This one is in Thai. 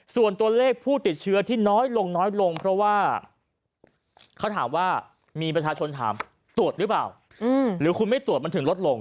ส่วนตัวเลขผู้ติดเชื้อที่น้อยลงน้อยลงเพราะว่าเขาถามว่ามีประชาชนถามตรวจหรือเปล่าหรือคุณไม่ตรวจมันถึงลดลง